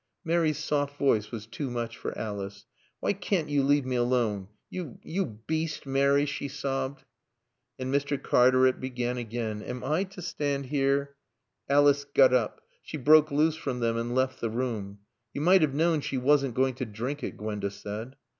Mary's soft voice was too much for Alice. "Why c can't you leave me alone? You you beast, Mary," she sobbed. And Mr. Cartaret began again, "Am I to stand here " Alice got up, she broke loose from them and left the room. "You might have known she wasn't going to drink it," Gwenda said.